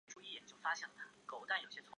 使用者分布于中国四川省和西藏自治区。